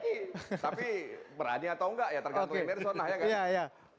tapi berani atau nggak ya tergantung emerson lah ya